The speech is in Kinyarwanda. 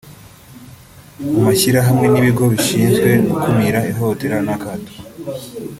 mu mashyirahmwe n’ibigo bishinzwe gukumira ihohotera n’akato